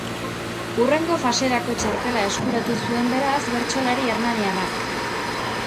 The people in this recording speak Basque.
Hurrengo faserako txartela eskuratu zuen, beraz, bertsolari hernaniarrak.